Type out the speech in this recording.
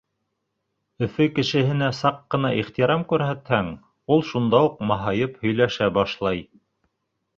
Өфө кешеһенә саҡ ҡына ихтирам күрһәтһәң, ул шунда уҡ маһайып һөйләшә башлай.